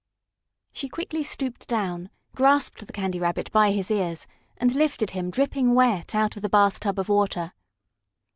She quickly stooped down, grasped the Candy Rabbit by his ears, and lifted him, dripping wet, out of the bathtub of water.